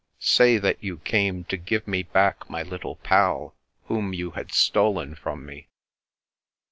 " Say that you came to give me back my Little Pal, whom you had stolen from me."